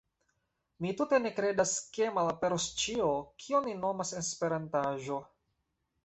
Mi tute ne kredas ke malaperos ĉio, kion ni nomas “Esperantaĵo”.